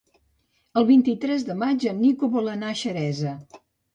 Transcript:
El vint-i-tres de maig en Nico vol anar a Xeresa.